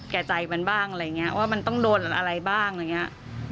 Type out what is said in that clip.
แก่ใจมันบ้างอะไรอย่างเงี้ยว่ามันต้องโดนอะไรบ้างอะไรอย่างนี้